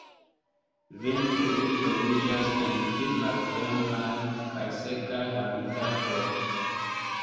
Vintre ili troviĝas en pli malfermaj kaj sekaj habitatoj.